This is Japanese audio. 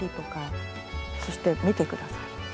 そして見てください。